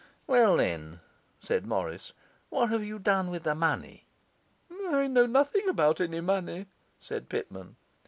'Well, then,' said Morris, 'what have you done with the money?' 'I know nothing about any money,' said Pitman.